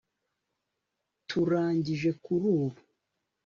turangije kurubu